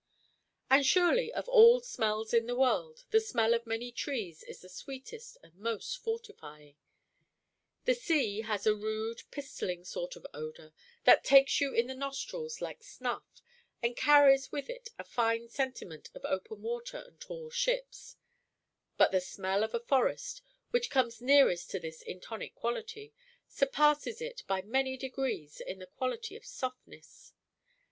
And surely of all smells in the world, the smell of many trees is the sweetest and most fortifying. The sea has a rude, pistolling sort of odour, that takes you in the nostrils like snuff, and carries with it a fine sentiment of open water and tall ships; but the smell of a forest, which comes nearest to this in tonic quality, surpasses it by many degrees in the quality of softness.